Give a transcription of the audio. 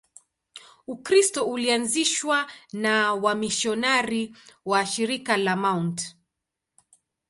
Ukristo ulianzishwa na wamisionari wa Shirika la Mt.